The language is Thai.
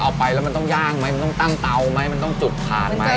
เอาไปแล้วมันต้องย่างไหมมันต้องตั้งเตาไหมมันต้องจุดผ่านไหม